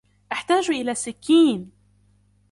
أحتاج الى سكين.